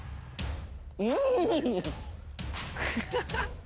うん！